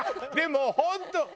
でも本当。